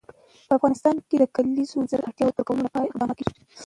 په افغانستان کې د کلیزو منظره د اړتیاوو پوره کولو لپاره اقدامات کېږي.